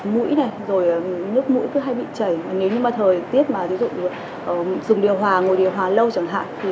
một lần nó không quá lạnh